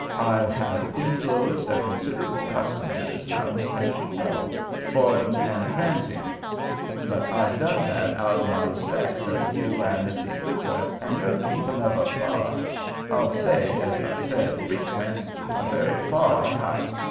I has infloonced a consider'ble custom to this house, as you know, bo'din' and transion. But I done that out o' my respects of you an' Missis Fluker, an' your keepin' of a fa'r—I'll say, as I've said freckwent, a very fa'r house.